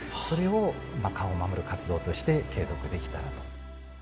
それを川を守る活動として継続できたらと。